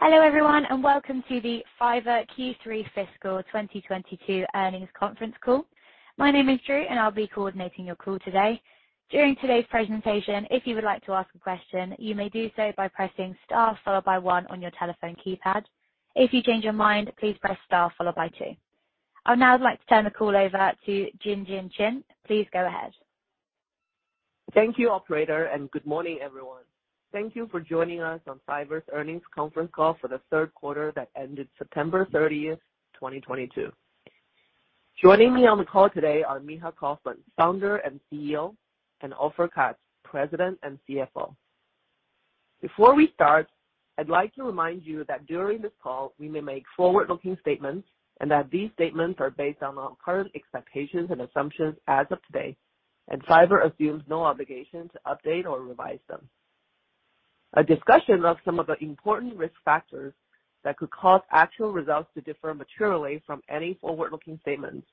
Hello, everyone, and welcome to the Fiverr Q3 fiscal 2022 earnings conference call. My name is Drew, and I'll be coordinating your call today. During today's presentation, if you would like to ask a question, you may do so by pressing Star followed by one on your telephone keypad. If you change your mind, please press Star followed by two. I would now like to turn the call over to Jinjin Qian. Please go ahead. Thank you, operator, and good morning, everyone. Thank you for joining us on Fiverr's earnings conference call for the third quarter that ended September 30, 2022. Joining me on the call today are Micha Kaufman, Founder and CEO, and Ofer Katz, President and CFO. Before we start, I'd like to remind you that during this call we may make forward-looking statements and that these statements are based on our current expectations and assumptions as of today, and Fiverr assumes no obligation to update or revise them. A discussion of some of the important risk factors that could cause actual results to differ materially from any forward-looking statements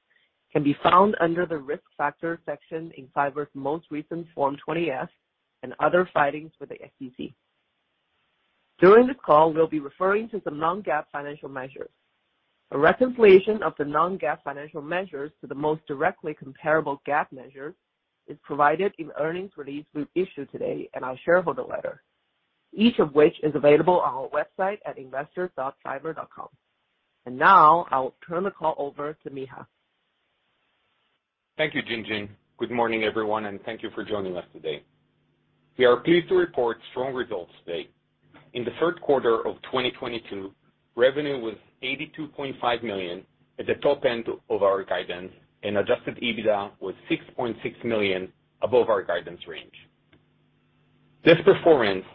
can be found under the Risk Factors section in Fiverr's most recent Form 20-F and other filings with the SEC. During this call, we'll be referring to some non-GAAP financial measures. A reconciliation of the non-GAAP financial measures to the most directly comparable GAAP measure is provided in the earnings release we've issued today and our shareholder letter, each of which is available on our website at investor.fiverr.com. Now I'll turn the call over to Micha. Thank you, Jinjin. Good morning, everyone, and thank you for joining us today. We are pleased to report strong results today. In the third quarter of 2022, revenue was $82.5 million at the top end of our guidance, and adjusted EBITDA was $6.6 million above our guidance range. This performance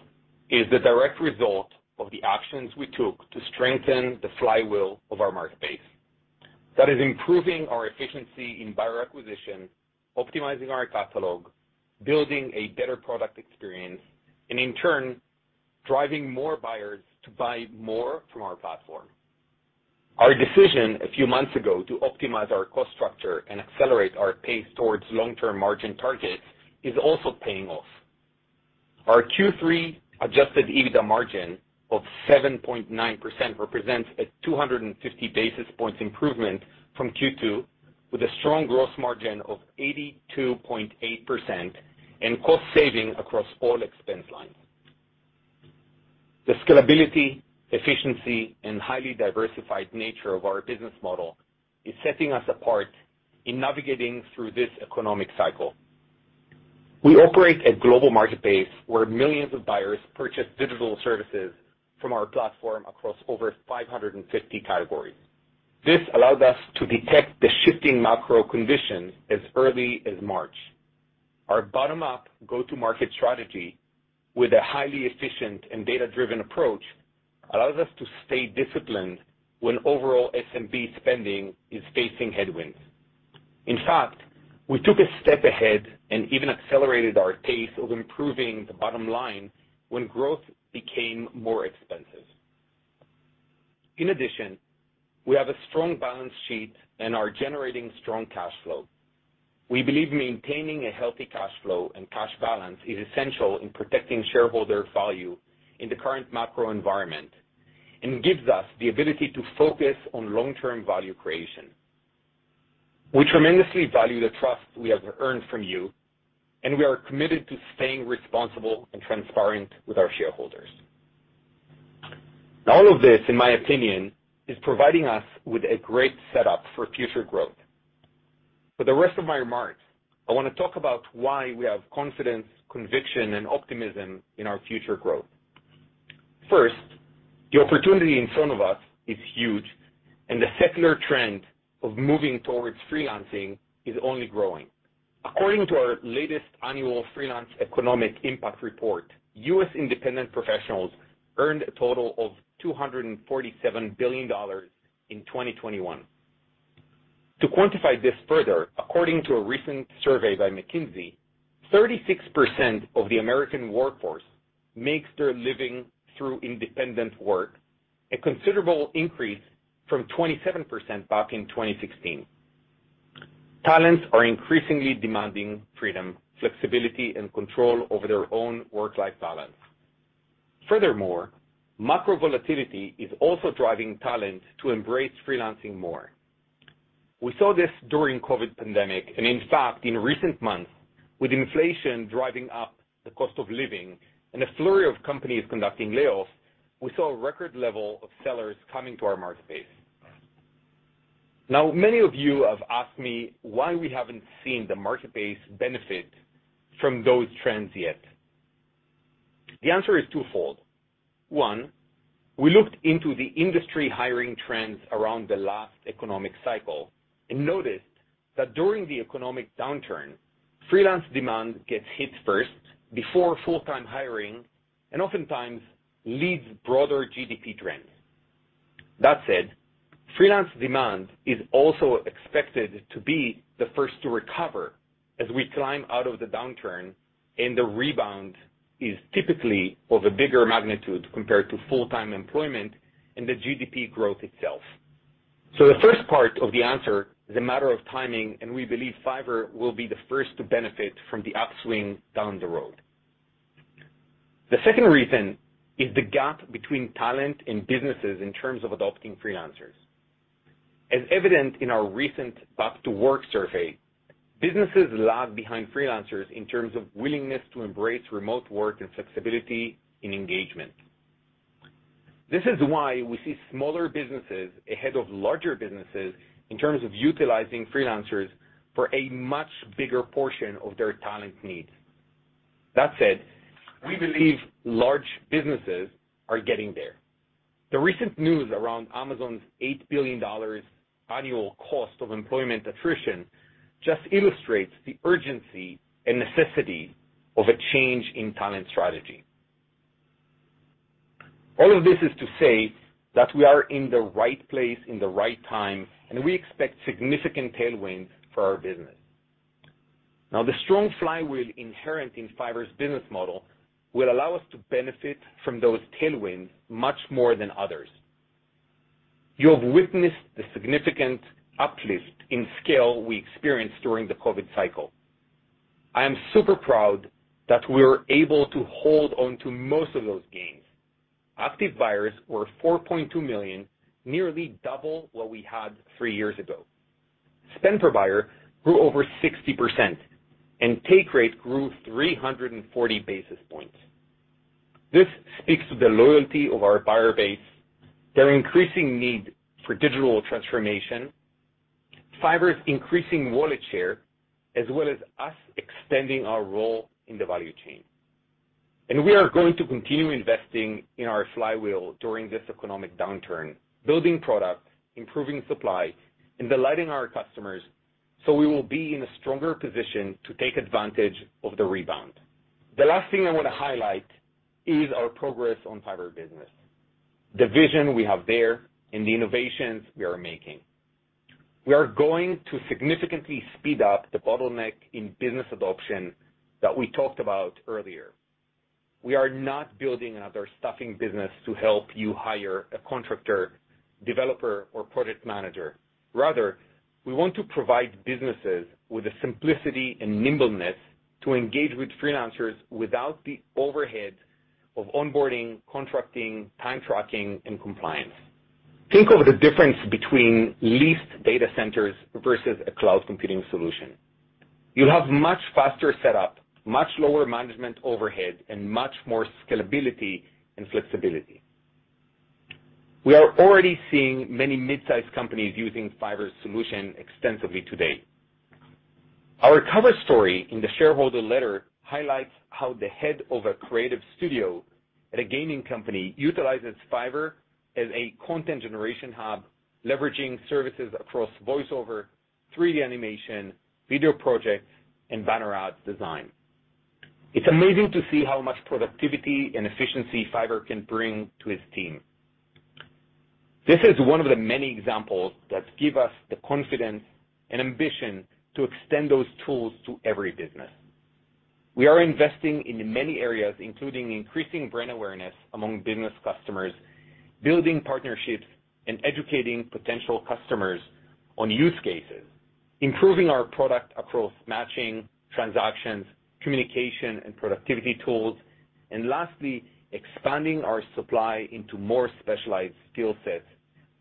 is the direct result of the actions we took to strengthen the flywheel of our marketplace. That is improving our efficiency in buyer acquisition, optimizing our catalog, building a better product experience, and in turn, driving more buyers to buy more from our platform. Our decision a few months ago to optimize our cost structure and accelerate our pace towards long-term margin target is also paying off. Our Q3 Adjusted EBITDA margin of 7.9% represents a 250 basis points improvement from Q2, with a strong gross margin of 82.8% and cost saving across all expense lines. The scalability, efficiency, and highly diversified nature of our business model is setting us apart in navigating through this economic cycle. We operate a global marketplace where millions of buyers purchase digital services from our platform across over 550 categories. This allowed us to detect the shifting macro conditions as early as March. Our bottom-up go-to-market strategy with a highly efficient and data-driven approach allows us to stay disciplined when overall SMB spending is facing headwinds. In fact, we took a step ahead and even accelerated our pace of improving the bottom line when growth became more expensive. In addition, we have a strong balance sheet and are generating strong cash flow. We believe maintaining a healthy cash flow and cash balance is essential in protecting shareholder value in the current macro environment and gives us the ability to focus on long-term value creation. We tremendously value the trust we have earned from you, and we are committed to staying responsible and transparent with our shareholders. All of this, in my opinion, is providing us with a great setup for future growth. For the rest of my remarks, I want to talk about why we have confidence, conviction, and optimism in our future growth. First, the opportunity in front of us is huge, and the secular trend of moving towards freelancing is only growing. According to our latest annual Freelance Economic Impact Report, U.S. independent professionals earned a total of $247 billion in 2021. To quantify this further, according to a recent survey by McKinsey, 36% of the American workforce makes their living through independent work, a considerable increase from 27% back in 2016. Talents are increasingly demanding freedom, flexibility, and control over their own work-life balance. Furthermore, macro volatility is also driving talent to embrace freelancing more. We saw this during COVID pandemic, and in fact, in recent months, with inflation driving up the cost of living and a flurry of companies conducting layoffs, we saw a record level of sellers coming to our marketplace. Now, many of you have asked me why we haven't seen the marketplace benefit from those trends yet. The answer is twofold. One, we looked into the industry hiring trends around the last economic cycle and noticed that during the economic downturn, freelance demand gets hit first before full-time hiring and oftentimes leads broader GDP trends. That said, freelance demand is also expected to be the first to recover as we climb out of the downturn, and the rebound is typically of a bigger magnitude compared to full-time employment and the GDP growth itself. The first part of the answer is a matter of timing, and we believe Fiverr will be the first to benefit from the upswing down the road. The second reason is the gap between talent and businesses in terms of adopting freelancers. As evident in our recent back to work survey, businesses lag behind freelancers in terms of willingness to embrace remote work and flexibility in engagement. This is why we see smaller businesses ahead of larger businesses in terms of utilizing freelancers for a much bigger portion of their talent needs. That said, we believe large businesses are getting there. The recent news around Amazon's $8 billion annual cost of employment attrition just illustrates the urgency and necessity of a change in talent strategy. All of this is to say that we are in the right place in the right time, and we expect significant tailwind for our business. Now, the strong flywheel inherent in Fiverr's business model will allow us to benefit from those tailwinds much more than others. You have witnessed the significant uplift in scale we experienced during the COVID cycle. I am super proud that we were able to hold on to most of those gains. Active buyers were 4.2 million, nearly double what we had three years ago. Spend per buyer grew over 60%, and take rate grew 340 basis points. This speaks to the loyalty of our buyer base, their increasing need for digital transformation, Fiverr's increasing wallet share, as well as us extending our role in the value chain. We are going to continue investing in our flywheel during this economic downturn, building product, improving supply, and delighting our customers, so we will be in a stronger position to take advantage of the rebound. The last thing I want to highlight is our progress on Fiverr Business, the vision we have there and the innovations we are making. We are going to significantly speed up the bottleneck in business adoption that we talked about earlier. We are not building another staffing business to help you hire a contractor, developer, or product manager. Rather, we want to provide businesses with the simplicity and nimbleness to engage with freelancers without the overhead of onboarding, contracting, time tracking, and compliance. Think of the difference between leased data centers versus a cloud computing solution. You'll have much faster setup, much lower management overhead, and much more scalability and flexibility. We are already seeing many mid-sized companies using Fiverr's solution extensively today. Our cover story in the shareholder letter highlights how the head of a creative studio at a gaming company utilizes Fiverr as a content generation hub, leveraging services across voice-over, 3D animation, video projects, and banner ads design. It's amazing to see how much productivity and efficiency Fiverr can bring to his team. This is one of the many examples that give us the confidence and ambition to extend those tools to every business. We are investing in many areas, including increasing brand awareness among business customers, building partnerships, and educating potential customers on use cases, improving our product across matching transactions, communication and productivity tools, and lastly, expanding our supply into more specialized skill sets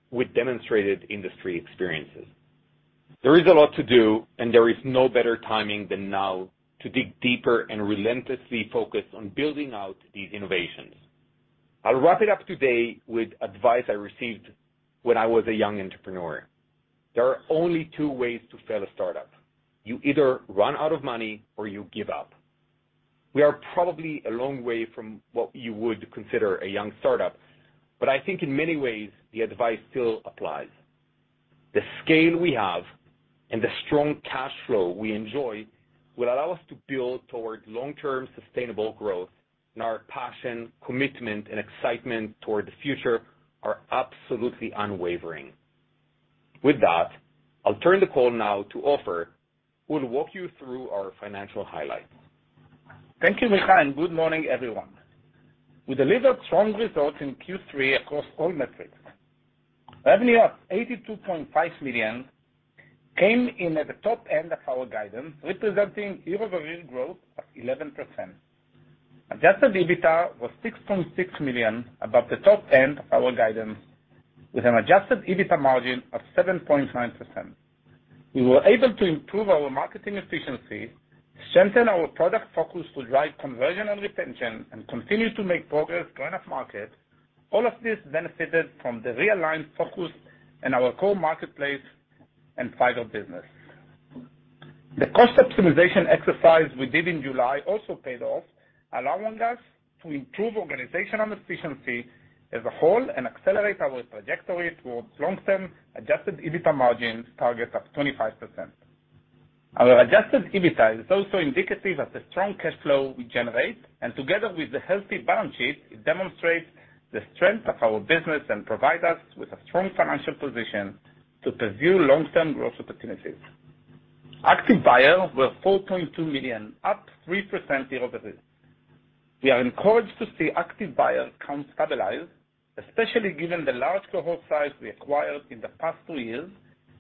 with demonstrated industry experiences. There is a lot to do, and there is no better timing than now to dig deeper and relentlessly focus on building out these innovations. I'll wrap it up today with advice I received when I was a young entrepreneur. There are only two ways to fail a start-up. You either run out of money or you give up. We are probably a long way from what you would consider a young start-up, but I think in many ways the advice still applies. The scale we have and the strong cash flow we enjoy will allow us to build towards long-term sustainable growth. Our passion, commitment, and excitement toward the future are absolutely unwavering. With that, I'll turn the call now to Ofer who will walk you through our financial highlights. Thank you, Micha, and good morning, everyone. We delivered strong results in Q3 across all metrics. Revenue of $82.5 million came in at the top end of our guidance, representing year-over-year growth of 11%. Adjusted EBITDA was $6.6 million above the top end of our guidance, with an adjusted EBITDA margin of 7.9%. We were able to improve our marketing efficiency, strengthen our product focus to drive conversion and retention, and continue to make progress growing up market. All of this benefited from the realigned focus in our core marketplace and Fiverr Business. The cost optimization exercise we did in July also paid off, allowing us to improve organizational efficiency as a whole and accelerate our trajectory towards long-term adjusted EBITDA margins target of 25%. Our adjusted EBITDA is also indicative of the strong cash flow we generate, and together with the healthy balance sheet, it demonstrates the strength of our business and provide us with a strong financial position to pursue long-term growth opportunities. Active buyers was 4.2 million, up 3% year-over-year. We are encouraged to see active buyers count stabilize, especially given the large cohort size we acquired in the past two years,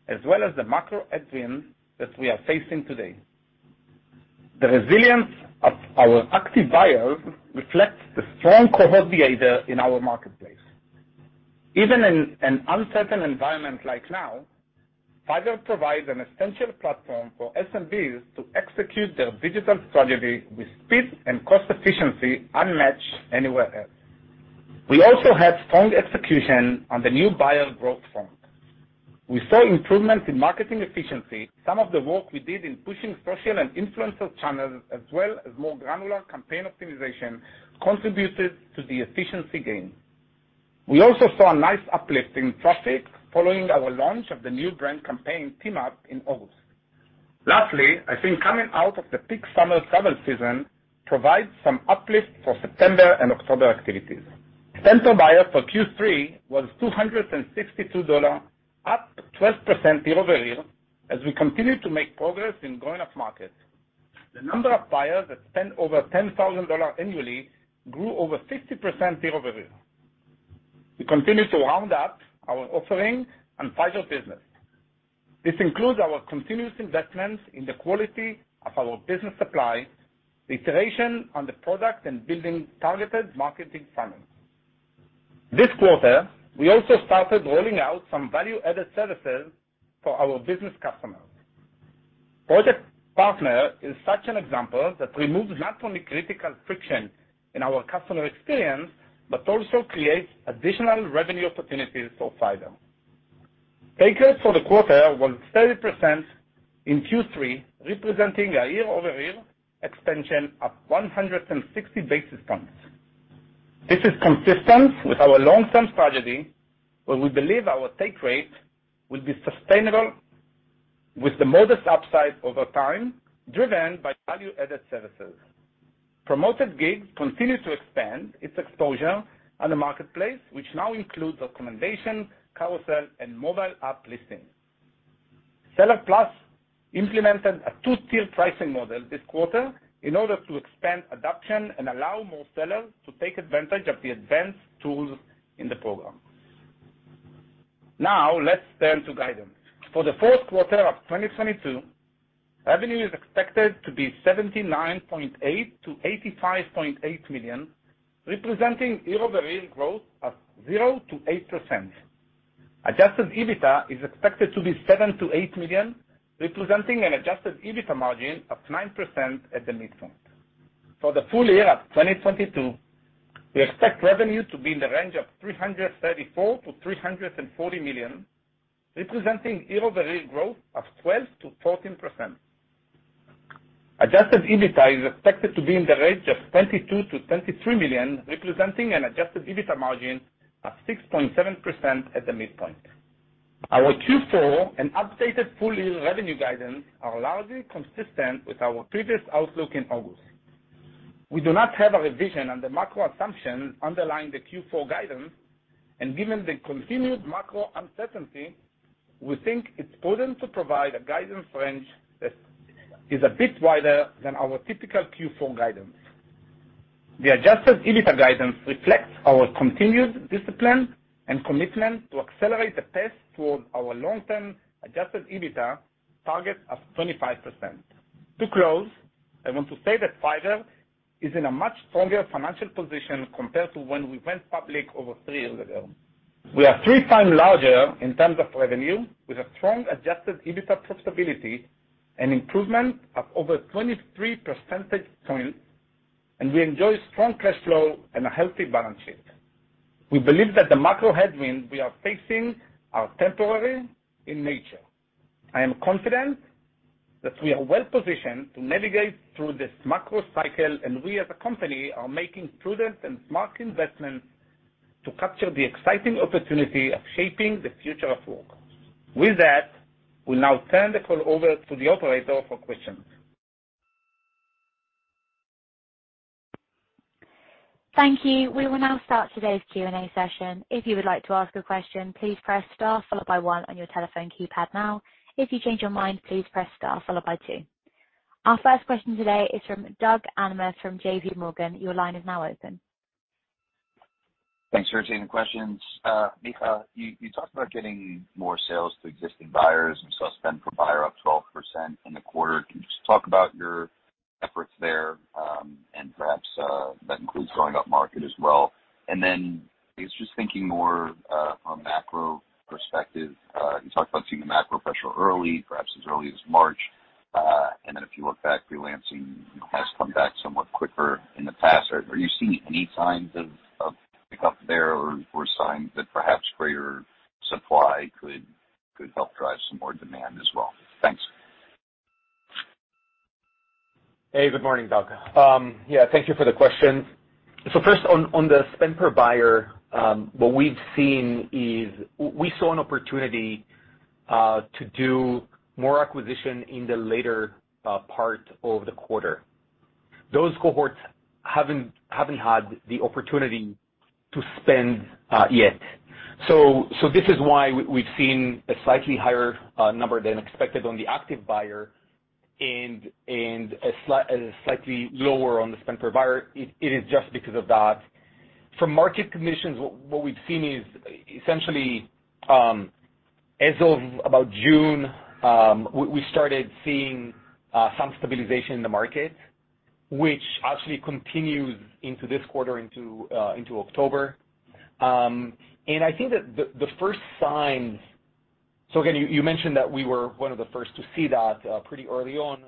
as well as the macro headwinds that we are facing today. The resilience of our active buyers reflects the strong cohort behavior in our marketplace. Even in an uncertain environment like now, Fiverr provides an essential platform for SMBs to execute their digital strategy with speed and cost efficiency unmatched anywhere else. We also had strong execution on the new buyer growth front. We saw improvements in marketing efficiency. Some of the work we did in pushing social and influencer channels, as well as more granular campaign optimization contributed to the efficiency gain. We also saw a nice uplift in traffic following our launch of the new brand campaign, Team Up, in August. Lastly, I think coming out of the peak summer travel season provides some uplift for September and October activities. Spend per buyer for Q3 was $262, up 12% year-over-year, as we continue to make progress in growing up-market. The number of buyers that spend over $10,000 annually grew over 50% year-over-year. We continue to round up our offering on Fiverr Business. This includes our continuous investment in the quality of our business supply, iteration on the product, and building targeted marketing funnels. This quarter, we also started rolling out some value-added services for our business customers. Project Partner is such an example that removes not only critical friction in our customer experience, but also creates additional revenue opportunities for Fiverr. Take rate for the quarter was 30% in Q3, representing a year-over-year expansion of 160 basis points. This is consistent with our long-term strategy, where we believe our take rate will be sustainable with the modest upside over time, driven by value-added services. Promoted Gigs continue to expand its exposure on the marketplace, which now includes recommendation, carousel, and mobile app listings. Seller Plus implemented a two-tier pricing model this quarter in order to expand adoption and allow more sellers to take advantage of the advanced tools in the program. Now, let's turn to guidance. For the fourth quarter of 2022, revenue is expected to be $79.8 million-$85.8 million, representing year-over-year growth of 0%-8%. Adjusted EBITDA is expected to be $7 million-$8 million, representing an adjusted EBITDA margin of 9% at the midpoint. For the full year of 2022, we expect revenue to be in the range of $334 million-$340 million, representing year-over-year growth of 12%-14%. Adjusted EBITDA is expected to be in the range of $22 million-$23 million, representing an adjusted EBITDA margin of 6.7% at the midpoint. Our Q4 and updated full-year revenue guidance are largely consistent with our previous outlook in August. We do not have a revision on the macro assumptions underlying the Q4 guidance, and given the continued macro uncertainty, we think it's prudent to provide a guidance range that is a bit wider than our typical Q4 guidance. The Adjusted EBITDA guidance reflects our continued discipline and commitment to accelerate the pace toward our long-term Adjusted EBITDA target of 25%. To close, I want to say that Fiverr is in a much stronger financial position compared to when we went public over three years ago. We are three times larger in terms of revenue, with a strong Adjusted EBITDA profitability and improvement of over 23 percentage points, and we enjoy strong cash flow and a healthy balance sheet. We believe that the macro headwinds we are facing are temporary in nature. I am confident that we are well positioned to navigate through this macro cycle, and we as a company are making prudent and smart investments to capture the exciting opportunity of shaping the future of work. With that, we'll now turn the call over to the operator for questions. Thank you. We will now start today's Q&A session. If you would like to ask a question, please press star followed by one on your telephone keypad now. If you change your mind, please press star followed by two. Our first question today is from Doug Anmuth from JPMorgan. Your line is now open. Thanks for taking the questions. Micha, you talked about getting more sales to existing buyers and saw spend per buyer up 12% in the quarter. Can you just talk about your efforts there? Perhaps that includes growing up-market as well. I guess just thinking more on a macro perspective, you talked about seeing a macro pressure early, perhaps as early as March. If you look back, freelancing has come back somewhat quicker in the past. Are you seeing any signs of pickup there or signs that perhaps greater supply could help drive some more demand as well? Thanks. Hey, good morning, Doug. Yeah, thank you for the question. First on the spend per buyer, what we've seen is we saw an opportunity to do more acquisition in the later part of the quarter. Those cohorts haven't had the opportunity- This is why we've seen a slightly higher number than expected on the active buyer and a slightly lower on the spend per buyer. It is just because of that. For marketplace commissions, what we've seen is essentially, as of about June, we started seeing some stabilization in the market, which actually continues into this quarter into October. I think that the first signs. Again, you mentioned that we were one of the first to see that pretty early on.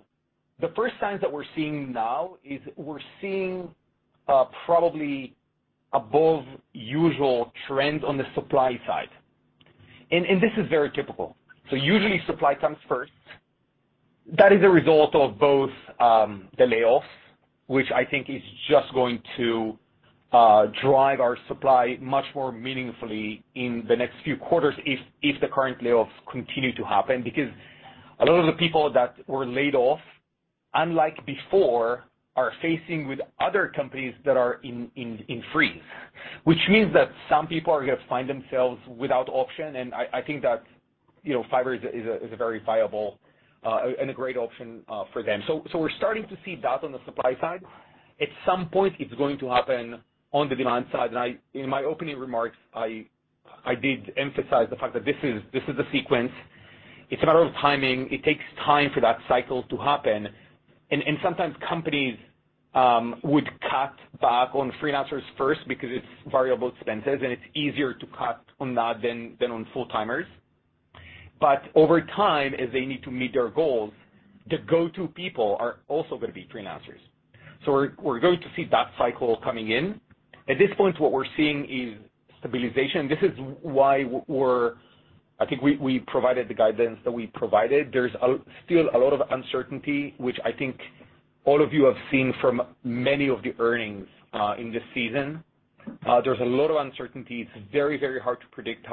The first signs that we're seeing now is we're seeing probably above usual trends on the supply side. This is very typical. Usually supply comes first. That is a result of both, the layoffs, which I think is just going to drive our supply much more meaningfully in the next few quarters if the current layoffs continue to happen. Because a lot of the people that were laid off, unlike before, are facing with other companies that are in freeze, which means that some people are gonna find themselves without option, and I think that, you know, Fiverr is a very viable and a great option for them. We're starting to see that on the supply side. At some point, it's going to happen on the demand side. In my opening remarks, I did emphasize the fact that this is a sequence. It's a matter of timing. It takes time for that cycle to happen. Sometimes companies would cut back on freelancers first because it's variable expenses, and it's easier to cut on that than on full-timers. Over time, as they need to meet their goals, the go-to people are also gonna be freelancers. We're going to see that cycle coming in. At this point, what we're seeing is stabilization. This is why I think we provided the guidance that we provided. There's still a lot of uncertainty, which I think all of you have seen from many of the earnings in this season. There's a lot of uncertainty. It's very hard to predict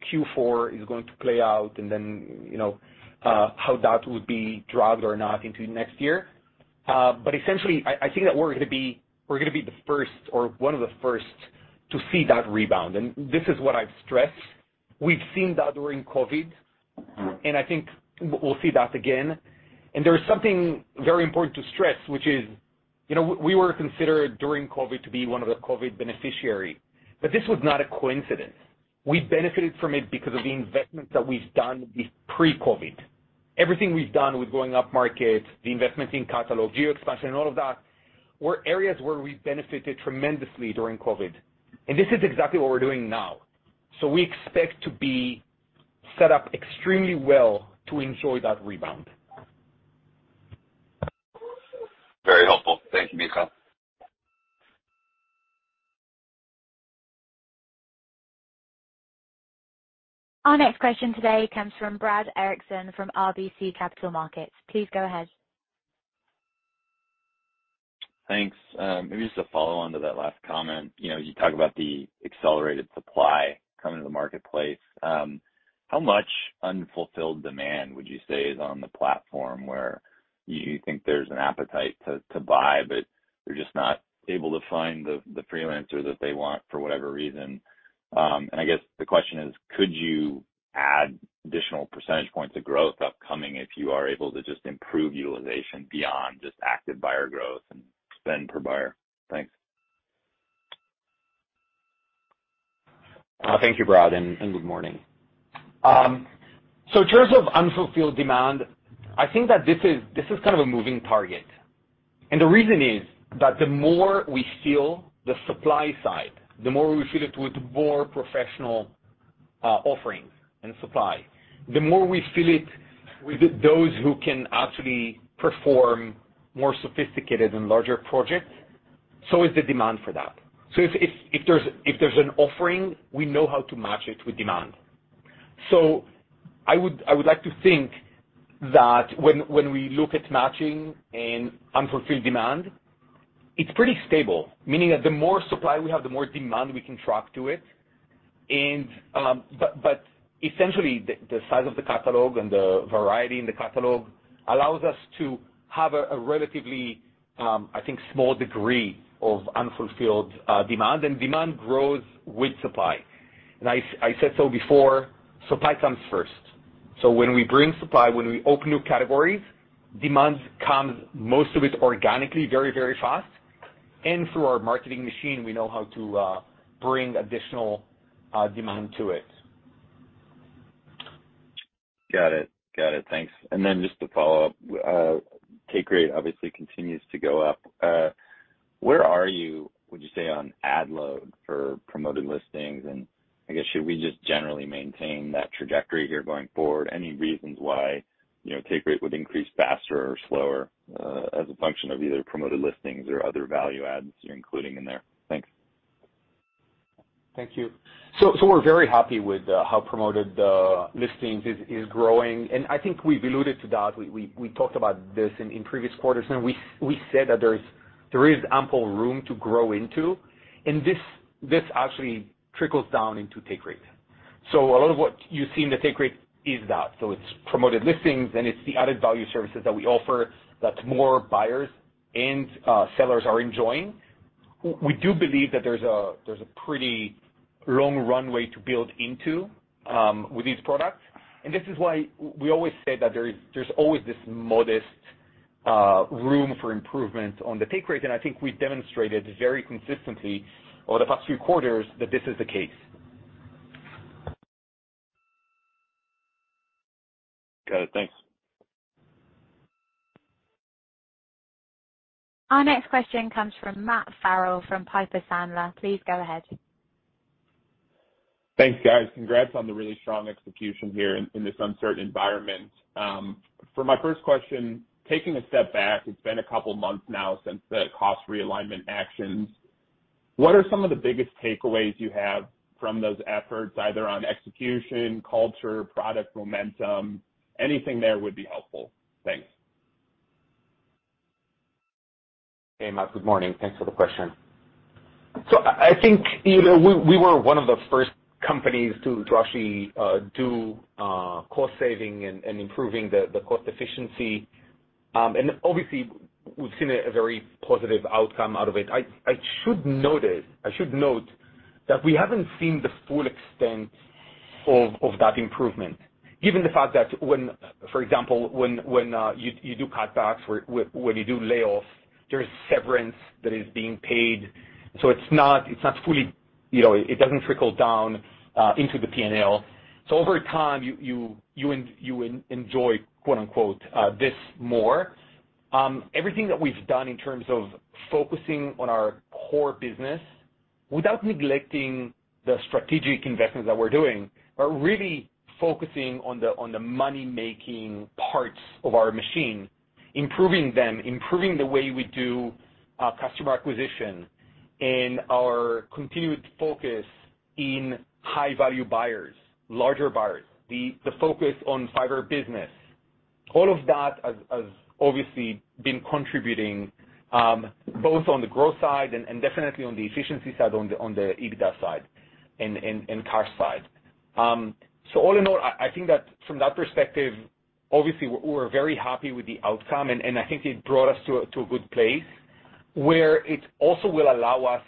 how Q4 is going to play out and then, you know, how that would be dragged or not into next year. Essentially I think that we're gonna be the first or one of the first to see that rebound. This is what I've stressed. We've seen that during COVID, and I think we'll see that again. There is something very important to stress, which is, you know, we were considered during COVID to be one of the COVID beneficiaries, but this was not a coincidence. We benefited from it because of the investments that we've done pre-COVID. Everything we've done with going upmarket, the investments in catalog, geo expansion, and all of that, were areas where we benefited tremendously during COVID. This is exactly what we're doing now. We expect to be set up extremely well to enjoy that rebound. Very helpful. Thank you, Micha. Our next question today comes from Brad Erickson from RBC Capital Markets. Please go ahead. Thanks. Maybe just a follow-on to that last comment. You know, you talk about the accelerated supply coming to the marketplace. How much unfulfilled demand would you say is on the platform where you think there's an appetite to buy, but they're just not able to find the freelancer that they want for whatever reason? I guess the question is, could you add additional percentage points of growth upcoming if you are able to just improve utilization beyond just active buyer growth and spend per buyer? Thanks. Thank you, Brad, and good morning. In terms of unfulfilled demand, I think that this is kind of a moving target. The reason is that the more we fill the supply side, the more we fill it with more professional offerings and supply, the more we fill it with those who can actually perform more sophisticated and larger projects, so is the demand for that. If there's an offering, we know how to match it with demand. I would like to think that when we look at matching and unfulfilled demand, it's pretty stable. Meaning that the more supply we have, the more demand we can track to it. Essentially the size of the catalog and the variety in the catalog allows us to have a relatively, I think small degree of unfulfilled demand, and demand grows with supply. I said so before, supply comes first. When we bring supply, when we open new categories, demand comes most of it organically, very, very fast. Through our marketing machine, we know how to bring additional demand to it. Got it. Thanks. Just to follow up, take rate obviously continues to go up. Where are you, would you say, on ad load for Promoted Gigs? I guess, should we just generally maintain that trajectory here going forward? Any reasons why, you know, take rate would increase faster or slower, as a function of either Promoted Gigs or other value adds you're including in there? Thanks. Thank you. We're very happy with how promoted gigs is growing. I think we've alluded to that. We talked about this in previous quarters, and we said that there is ample room to grow into. This actually trickles down into take rate. A lot of what you've seen the take rate is that. It's promoted gigs, and it's the added value services that we offer that more buyers and sellers are enjoying. We do believe that there's a pretty long runway to build into with these products. This is why we always say that there's always this modest room for improvement on the take rate, and I think we've demonstrated very consistently over the past few quarters that this is the case. Got it. Thanks. Our next question comes from Marvin Fong from Piper Sandler. Please go ahead. Thanks, guys. Congrats on the really strong execution here in this uncertain environment. For my first question, taking a step back, it's been a couple of months now since the cost realignment actions. What are some of the biggest takeaways you have from those efforts, either on execution, culture, product momentum? Anything there would be helpful. Thanks. Hey, Matt. Good morning. Thanks for the question. I think, you know, we were one of the first companies to actually do cost saving and improving the cost efficiency. Obviously, we've seen a very positive outcome out of it. I should note that we haven't seen the full extent of that improvement. Given the fact that when, for example, you do cutbacks, when you do layoffs, there's severance that is being paid. It's not fully, you know, it doesn't trickle down into the P&L. Over time, you enjoy, quote-unquote, this more. Everything that we've done in terms of focusing on our core business without neglecting the strategic investments that we're doing, but really focusing on the money-making parts of our machine, improving them, improving the way we do customer acquisition and our continued focus in high-value buyers, larger buyers, the focus on Fiverr Business. All of that has obviously been contributing both on the growth side and definitely on the efficiency side, on the EBITDA side and cash side. All in all, I think that from that perspective, obviously we're very happy with the outcome, and I think it brought us to a good place where it also will allow us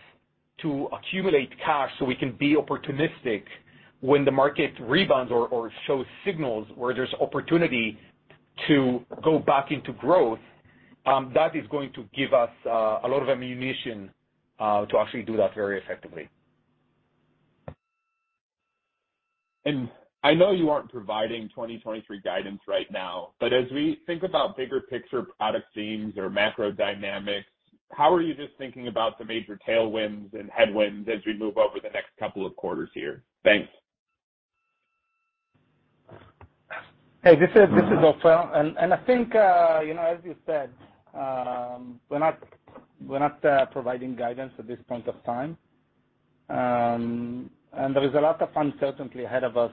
to accumulate cash so we can be opportunistic when the market rebounds or shows signals where there's opportunity to go back into growth. That is going to give us a lot of ammunition to actually do that very effectively. I know you aren't providing 2023 guidance right now, but as we think about big picture product themes or macro dynamics, how are you just thinking about the major tailwinds and headwinds as we move over the next couple of quarters here? Thanks. Hey, this is Ofer. I think you know, as you said, we're not providing guidance at this point of time. There is a lot of uncertainty ahead of us,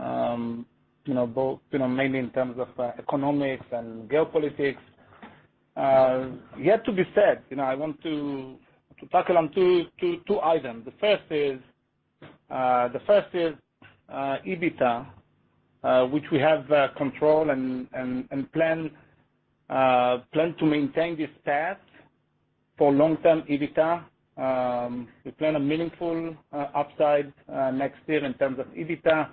you know, both you know, mainly in terms of economics and geopolitics yet to be seen. You know, I want to touch on two items. The first is EBITDA, which we have control and plan to maintain this path for long-term EBITDA. We plan a meaningful upside next year in terms of EBITDA.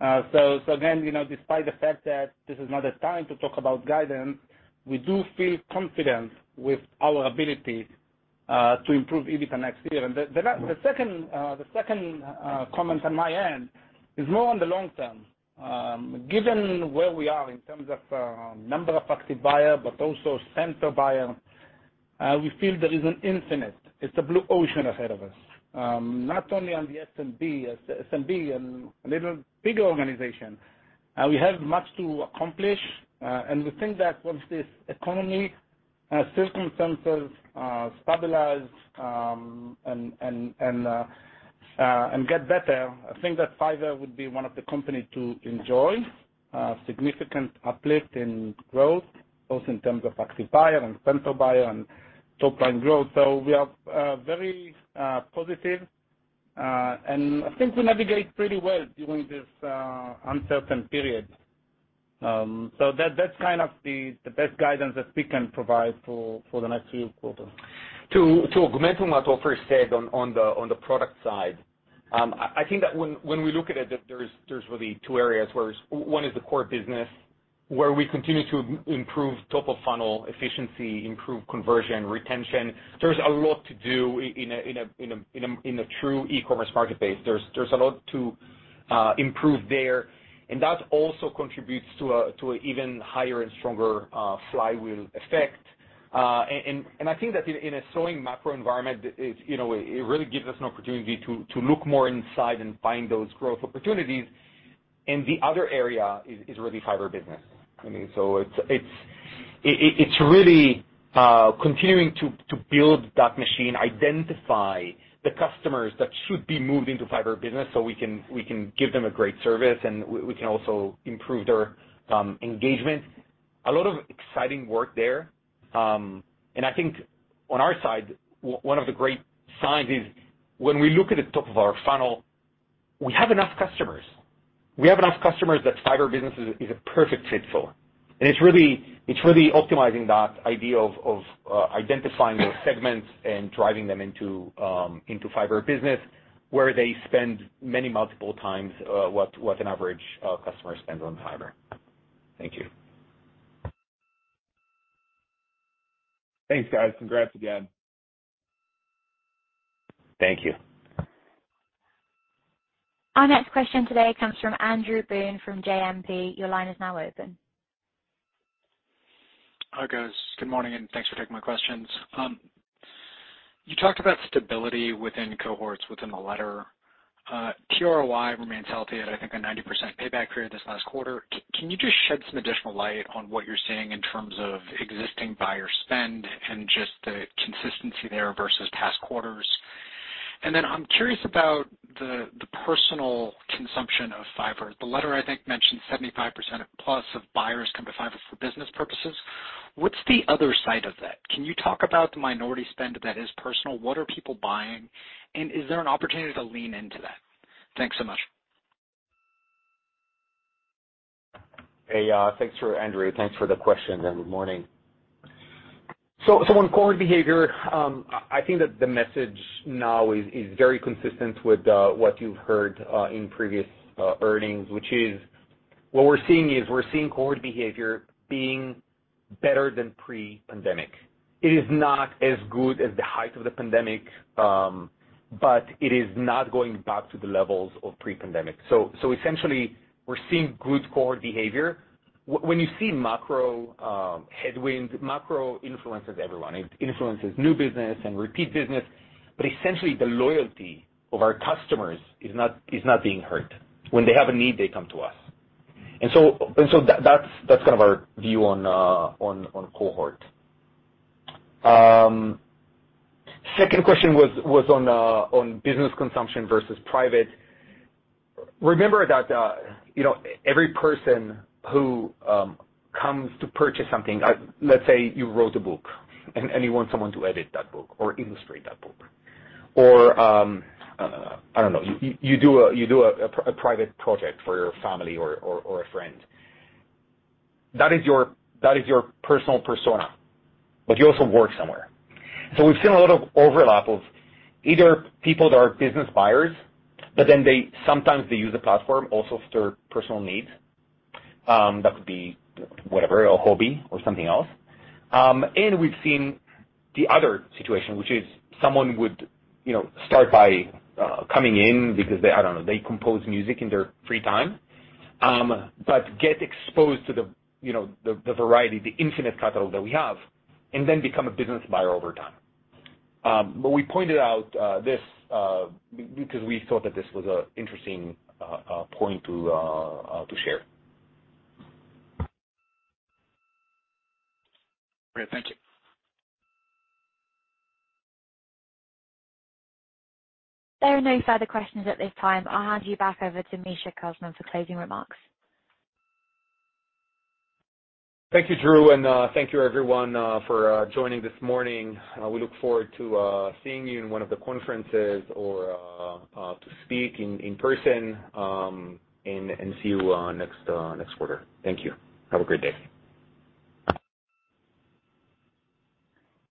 Again, you know, despite the fact that this is not a time to talk about guidance, we do feel confident with our ability to improve EBITDA next year. The second comment on my end is more on the long term. Given where we are in terms of number of active buyers, but also spend per buyer, we feel there is an opportunity. It's a blue ocean ahead of us. Not only on the SMB and little bigger organizations. We have much to accomplish, and we think that once this economic circumstances stabilize and get better, I think that Fiverr would be one of the companies to enjoy significant uplift in growth, both in terms of active buyers and spend per buyer and top line growth. We are very positive, and I think we navigate pretty well during this uncertain period. That's kind of the best guidance that we can provide for the next few quarters. To augment on what Ofer said on the product side, I think that when we look at it, there's really two areas. Where one is the core business, where we continue to improve top of funnel efficiency, improve conversion, retention. There's a lot to do in a true e-commerce marketplace. There's a lot to improve there. That also contributes to an even higher and stronger flywheel effect. I think that in a slowing macro environment, you know, it really gives us an opportunity to look more inside and find those growth opportunities. The other area is really Fiverr Business. I mean, it's really continuing to build that machine, identify the customers that should be moved into Fiverr Business so we can give them a great service, and we can also improve their engagement. A lot of exciting work there. I think on our side, one of the great signs is when we look at the top of our funnel, we have enough customers. We have enough customers that Fiverr Business is a perfect fit for. It's really optimizing that idea of identifying those segments and driving them into Fiverr Business where they spend many multiple times what an average customer spends on Fiverr. Thank you. Thanks, guys. Congrats again. Thank you. Our next question today comes from Andrew Boone from JMP. Your line is now open. Hi, guys. Good morning, and thanks for taking my questions. You talked about stability within cohorts within the letter. tROI remains healthy at, I think, a 90% payback period this last quarter. Can you just shed some additional light on what you're seeing in terms of existing buyer spend and just the consistency there versus past quarters? Then I'm curious about the personal consumption of Fiverr. The letter, I think, mentioned 75% plus of buyers come to Fiverr for business purposes. What's the other side of that? Can you talk about the minority spend that is personal? What are people buying, and is there an opportunity to lean into that? Thanks so much. Hey, thanks Andrew, thanks for the question, and good morning. On cohort behavior, I think that the message now is very consistent with what you've heard in previous earnings, which is we're seeing cohort behavior being better than pre-pandemic. It is not as good as the height of the pandemic, but it is not going back to the levels of pre-pandemic. Essentially we're seeing good cohort behavior. When you see macro headwinds, macro influences everyone. It influences new business and repeat business, but essentially the loyalty of our customers is not being hurt. When they have a need, they come to us. That's kind of our view on cohort. Second question was on business consumption versus private. Remember that, you know, every person who comes to purchase something, let's say you wrote a book and you want someone to edit that book or illustrate that book or, I don't know, you do a private project for your family or a friend. That is your personal persona, but you also work somewhere. We've seen a lot of overlap of either people that are business buyers, but then they sometimes use the platform also for personal needs, that could be whatever, a hobby or something else. We've seen the other situation, which is someone would, you know, start by coming in because they, I don't know, they compose music in their free time, but get exposed to the, you know, variety, the infinite catalog that we have, and then become a business buyer over time. We pointed out this because we thought that this was a interesting point to share. Great. Thank you. There are no further questions at this time. I'll hand you back over to Micha Kaufman for closing remarks. Thank you, Drew, and thank you everyone for joining this morning. We look forward to seeing you in one of the conferences or to speak in person, and see you next quarter. Thank you. Have a great day.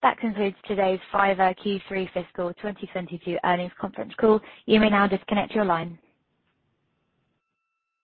That concludes today's Fiverr Q3 fiscal 2022 earnings conference call. You may now disconnect your line.